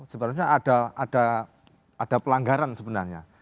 sebenarnya ada pelanggaran sebenarnya